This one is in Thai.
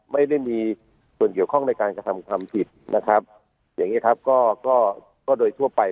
ไม่ได้มีส่วนเกี่ยวข้องในการกระทำความผิดอย่างนี้ก็โดยทั่วไป